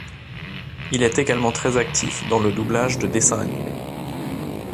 Il est également très actif dans le doublage de dessins animés.